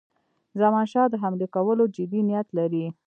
زمانشاه د حملې کولو جدي نیت لري.